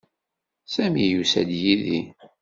Sami yusa-d yid-i.